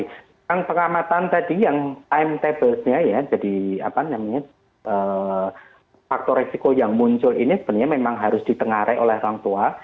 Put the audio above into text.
pertama sekali pengamatan tadi yang timetable nya faktor resiko yang muncul ini sebenarnya memang harus ditengarai oleh orang tua